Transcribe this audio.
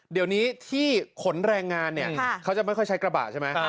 เดี๋ยวนี้ที่ขนแรงงานเนี่ยเขาจะไม่ค่อยใช้กระบะใช่ไหม